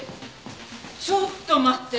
ちょっと待って。